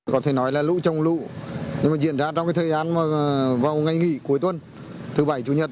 có thể nói là lũ trồng lũ nhưng mà diễn ra trong cái thời gian vào ngày nghỉ cuối tuần thứ bảy chủ nhật